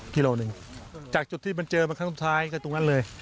กิโลหนึ่งจากจุดที่มันเจอมาครั้งสุดท้ายก็ตรงนั้นเลย